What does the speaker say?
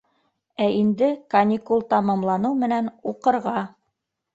Ә инде каникул тамамланыу менән - уҡырға!